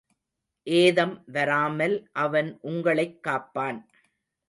ஏதம் வராமல் அவன் உங்களைக் காப்பான்.